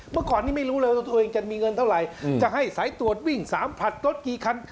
เมื่อก่อนนี้ไม่รู้เลยว่าตัวเองจะมีเงินเท่าไหร่จะให้สายตรวจวิ่ง๓ผลัดรถกี่คัน